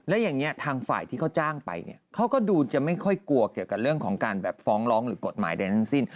และอย่างนี้ทางฝ่ายที่เขาจ้างไปเนี่ยเขาก็ดูจะไม่ค่อยกลัวเกี่ยวกับเรื่องของการแบบฟ้องร้องหรือกฎหมายใดทั้งสิ้น